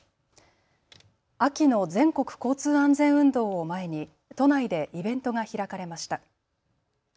秋の全国交通安全運動を前に都内でイベントが開かれました。